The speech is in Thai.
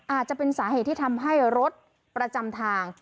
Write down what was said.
อาจจะเป็นสาเหตุที่ทำให้รถประจำทาง